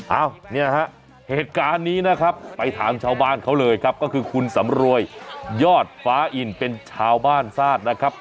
เอ้าเนี่ยฮะเหตุการณ์นี้นะครับไปถามชาวบ้านเขาเลยครับก็คือคุณสำรวยยอดฟ้าอินเป็นชาวบ้านทราบนะครับ